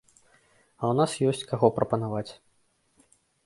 А ў нас ёсць каго прапанаваць.